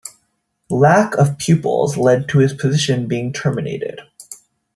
Lack of pupils led to his position being terminated.